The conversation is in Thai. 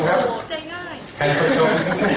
ชมไปก้าวให้ก้าวต่อก่อน